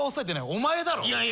お前だろ？